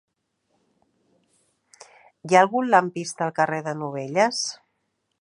Hi ha algun lampista al carrer de Novelles?